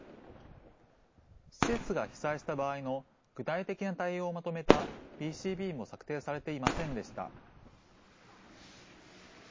施設が被災した場合の具体的な対応をまとめたＢＣＰも策定されていませんでした。